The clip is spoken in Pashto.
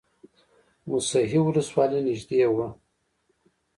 موسهي ولسوالۍ نږدې ده؟